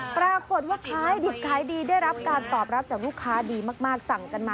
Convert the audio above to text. ปรากฏว่าขายดีขายดีได้รับการตอบรับจากลูกค้าดีมาก